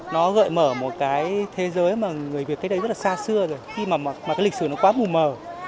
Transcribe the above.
nó gợi mở một thế giới mà người việt đấy rất là xa xưa rồi khi mà lịch sử nó quá bù mờ